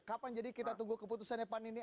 kapan jadi kita tunggu keputusannya pan ini